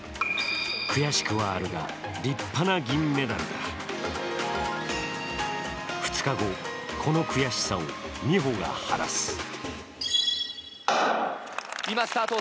悔しくはあるが、立派な銀メダルだ２日後、この悔しさを美帆が晴らす。